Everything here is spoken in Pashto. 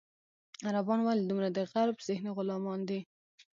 عربان ولې دومره د غرب ذهني غلامان دي.